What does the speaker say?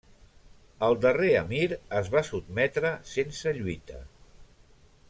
El darrer emir es va sotmetre sense lluita.